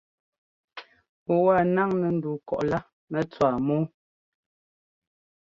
Ŋu wa náŋnɛ́ ndu kɔꞌ lá nɛ tswáa mɔ́ɔ.